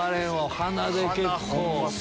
鼻で結構。